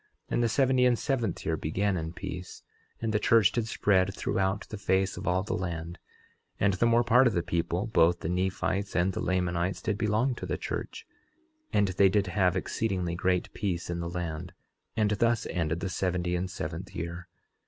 And the seventy and seventh year began in peace; and the church did spread throughout the face of all the land; and the more part of the people, both the Nephites and the Lamanites, did belong to the church; and they did have exceedingly great peace in the land; and thus ended the seventy and seventh year.